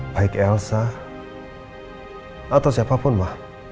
baik elsa atau siapapun mah